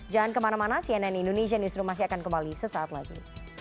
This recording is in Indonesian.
jangan kemana mana cnn indonesia newsroom masih akan kembali sesaat lagi